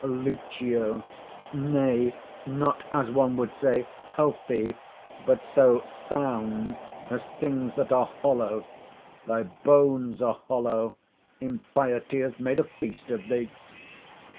Lucio. Nay, not as one would say, healthy; but so sound as things that are hollow: thy bones are hollow; impiety has made a feast of thee.